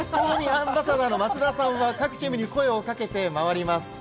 ＧＯＭＩアンバサダーの松田さんは各チームに声をかけて回ります。